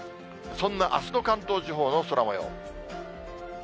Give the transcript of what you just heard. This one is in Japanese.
そんなあすの関東地方の空もよう。